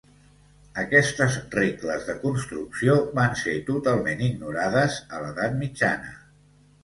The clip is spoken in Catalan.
Aquestes regles de construcció van ser totalment ignorades a l'edat mitjana.